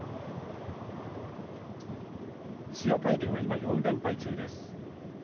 千代大龍が今、４連敗中です。